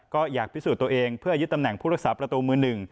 ก็อยากพิสูจน์ตัวเองเพื่อยึดตำแหน่งผู้รักษาประตูมือหนึ่ง